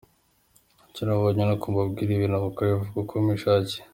Icyo nabonye ni uko mbabwira ibintu mukabivuga uko mwishakiye.